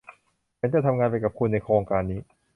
ฉันจะทำงานไปกับคุณในโครงการนี้